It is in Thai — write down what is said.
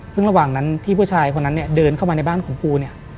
ซึ่งระหว่างนั้นที่ผู้ชายคนนั้นเดินเข้ามาในบ้านของปู